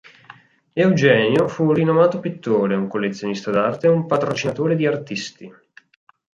Eugenio fu un rinomato pittore, un collezionista d'arte e un patrocinatore di artisti.